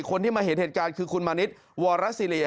คนที่มาเห็นเหตุการณ์คือคุณมณิชย์วรสิริ